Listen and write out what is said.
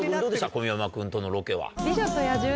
小宮山君とのロケは。